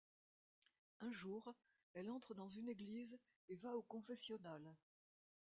Un jour, elle entre dans une église et va au confessionnal.